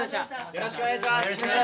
よろしくお願いします。